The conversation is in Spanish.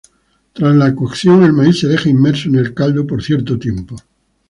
Tras la cocción, el maíz se deja inmerso en el caldo por cierto tiempo.